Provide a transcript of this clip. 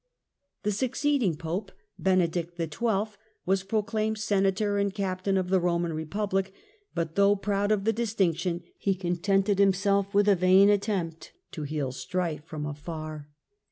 The succeeding Pope, Benedict XII., was proclaimed Senator and Captain of the Eoman Eepublic, but though proud of the distinction he contented himself with a vain attempt to heal strife from afar.